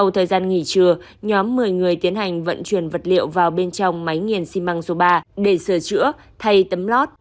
thời gian nghỉ trưa nhóm một mươi người tiến hành vận chuyển vật liệu vào bên trong máy nghiền xi măng số ba để sửa chữa thay tấm lót